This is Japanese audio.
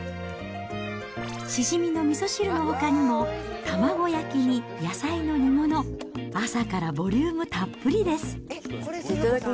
シジミのみそ汁のほかにも、卵焼きに野菜の煮物、朝からボリュームたっぷりです。